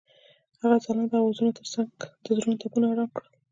هغې د ځلانده اوازونو ترڅنګ د زړونو ټپونه آرام کړل.